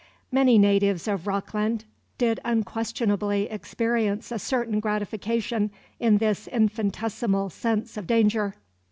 Many natives of Rockland did unquestionably experience a certain gratification in this infinitesimal sense of danger.